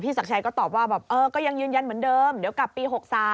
ศักดิ์ชัยก็ตอบว่าแบบเออก็ยังยืนยันเหมือนเดิมเดี๋ยวกลับปี๖๓